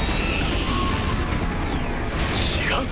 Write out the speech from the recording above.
違う？